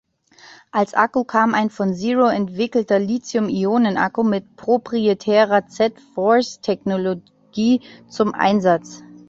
Als Akku kam ein von Zero entwickelter Lithium-Ionen-Akku mit „proprietärer Z-Force-Technologie“ zum Einsatz.